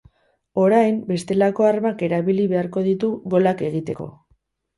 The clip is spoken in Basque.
Orain, bestelako armak erabaili beharko ditu golak egiteko.